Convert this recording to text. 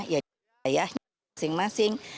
ya di karyanya masing masing